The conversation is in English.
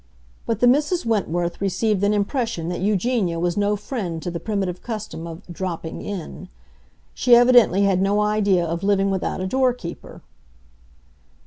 But the Misses Wentworth received an impression that Eugenia was no friend to the primitive custom of "dropping in;" she evidently had no idea of living without a door keeper.